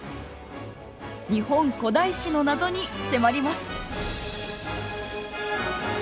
日本古代史の謎に迫ります。